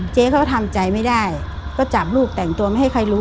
เจ๊เขาก็ทำใจไม่ได้ก็จับลูกแต่งตัวไม่ให้ใครรู้